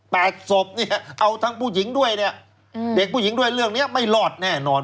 ศพเนี่ยเอาทั้งผู้หญิงด้วยเนี่ยอืมเด็กผู้หญิงด้วยเรื่องเนี้ยไม่รอดแน่นอน